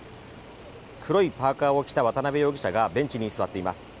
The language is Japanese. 黒いパーカーを着た渡辺容疑者がベンチに座っています。